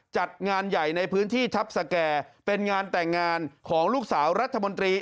จัดงานใหญ่ในพื้นที่ทัพสแก่เป็นงานแต่งงานของลูกสาวรัฐมนตรี